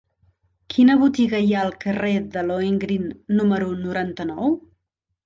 Quina botiga hi ha al carrer de Lohengrin número noranta-nou?